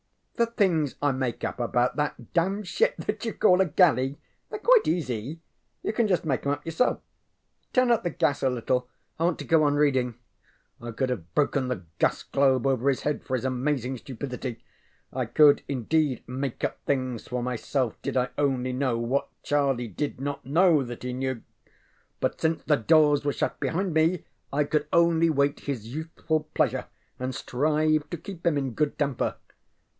ŌĆØ ŌĆ£The things I make up about that damned ship that you call a galley? TheyŌĆÖre quite easy. You can just make ŌĆśem up yourself. Turn up the gas a little, I want to go on reading. ŌĆØ I could have broken the gas globe over his head for his amazing stupidity. I could indeed make up things for myself did I only know what Charlie did not know that he knew. But since the doors were shut behind me I could only wait his youthful pleasure and strive to keep him in good temper.